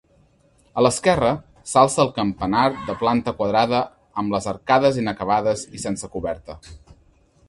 A l'esquerra s'alça el campanar de planta quadrada amb les arcades inacabades i sense coberta.